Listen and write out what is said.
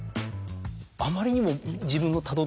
あまりにも。